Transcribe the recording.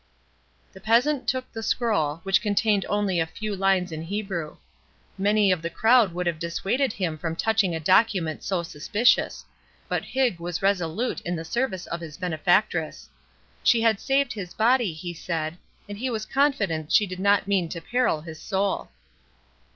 The peasant took the scroll, which contained only a few lines in Hebrew. Many of the crowd would have dissuaded him from touching a document so suspicious; but Higg was resolute in the service of his benefactress. She had saved his body, he said, and he was confident she did not mean to peril his soul.